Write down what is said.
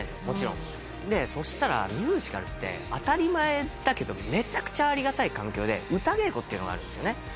もちろんでそしたらミュージカルって当たり前だけどめちゃくちゃありがたい環境で歌稽古っていうのがあるんですよ